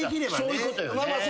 そういうことよね。